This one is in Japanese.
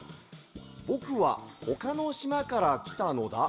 「ぼくはほかのしまからきたのダ。